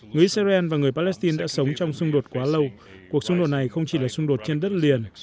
người israel và người palestine đã sống trong xung đột quá lâu cuộc xung đột này không chỉ là xung đột trên đất liền